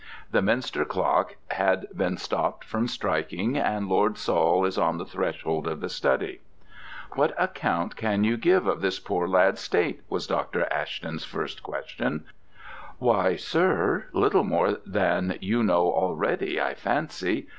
The minster clock has been stopped from striking, and Lord Saul is on the threshold of the study. "What account can you give of this poor lad's state?" was Dr. Ashton's first question. "Why, sir, little more than you know already, I fancy.